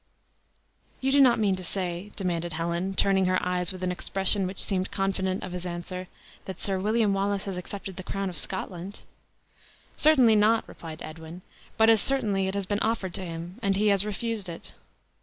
"You do not mean to say," demanded Helen, turning her eyes with an expression which seemed confident of his answer, "that Sir William Wallace has accepted the crown of Scotland?" "Certainly not," replied Edwin; "but as certainly it has been offered to him, and he has refused it."